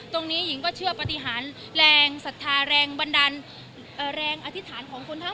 ตรงนี้หญิงก็เชื่อปฏิหารแรงสัตว์แรงบัแลร์นแรงอธิษฐานของคนทั้ง